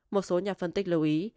một số nhà phân tích lưu ý